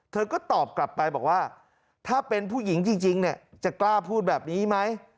เธอก็ตอบกลับไปบอกว่าถ้าเป็นผู้หญิงจริงเนี่ยจะกล้าพูดแบบนี้ไหม